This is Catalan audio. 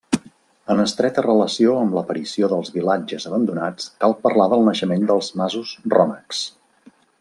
En estreta relació amb l'aparició dels vilatges abandonats, cal parlar del naixement dels masos rònecs.